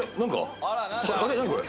何これ？